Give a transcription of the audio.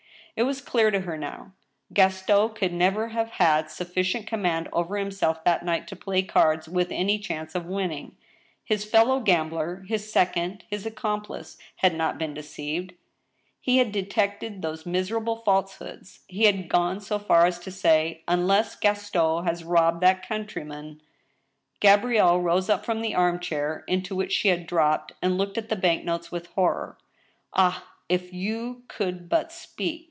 It was clear to her now. Gaston could never have had sufficient command over himself that night to play cards with any chance of winning. His fellow gambler, his second, his accomplice, had not been deceived ; he had detected those miserable falsehoods, he ha;d gone so far as to say " Unless Gaston has robbed that country man —" Gabrielle rose up from the arm chair into which she had dropped, and looked at the bank notes with horror. " Ah ! if you could but speak